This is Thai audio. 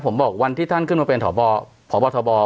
ผมบอกวันที่ท่านขึ้นมาเป็นพบทบ